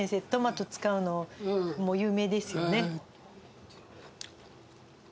トマト使うのも有名ですよね。